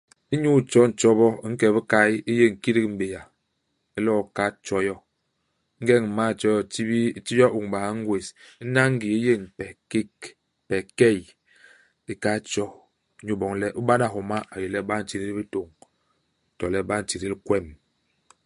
Inyu itjo ntjobo, u nke i bikay, u yéñ kidik i m'béa. U lo'o u kahal tjo yo. Ingeñ u m'mal tjo yo, u tibil u ti yo ôngba u ngwés, hana i ngii, u yéñ pes i kék, pes i key. U kahal tjo, inyu iboñ le u bana ihoma a yé le u ba u ntidil bitôñ, to le u ba u ntidil kwem.